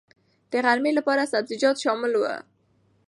د غرمې لپاره سبزيجات شامل وو.